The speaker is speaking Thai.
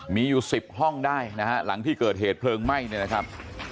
มีอยู่๑๐ห้องได้นะฮะหลังที่เกิดเหตุเพลิงไหม้เนี่ยนะครับ